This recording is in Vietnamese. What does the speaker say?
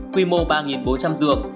quy mô ba bốn trăm linh dược